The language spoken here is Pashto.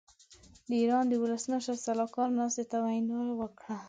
د ايران د ولسمشر سلاکار ناستې ته وینا وکړه.